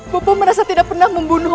pupu merasa tidak pernah membunuh